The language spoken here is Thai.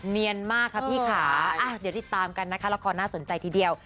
เนียนมากค่ะพี่ค่ะเดี๋ยวติดตามกันนะคะละครน่าสนใจทีเดียว